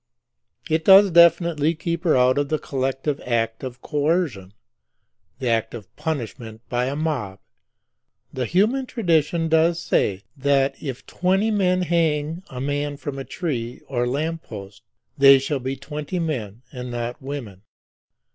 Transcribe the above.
It does definitely keep her out of the collective act of coercion; the act of punishment by a mob. The human tradition does say that, if twenty men hang a man from a tree or lamp post, they shall be twenty men and not women.